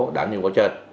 đảm dụng của chết